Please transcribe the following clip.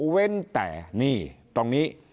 เว้นแต่นี่ตรงนี้